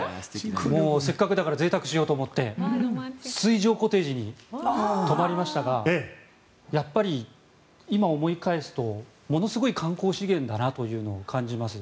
せっかくだからぜいたくしようと思って水上コテージに泊まりましたがやっぱり今思い返すとものすごい観光資源だなというのを感じます。